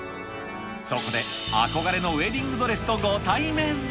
そこで憧れのウエディングドレスとご対面。